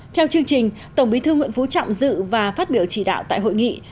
theo chương trình tổng bí thư nguyễn phú trọng dự và phát biểu chỉ đạo tại hội nghị